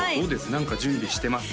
何か準備してます？